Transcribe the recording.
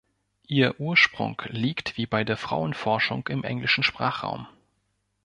Ihr Ursprung liegt wie bei der Frauenforschung im englischen Sprachraum.